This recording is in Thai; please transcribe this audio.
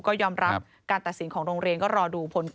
ก็ยอมรับการตัดสินของโรงเรียน